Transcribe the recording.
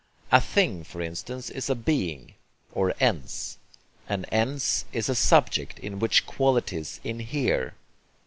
A 'thing' for instance is a being, or ENS. An ENS is a subject in which qualities 'inhere.'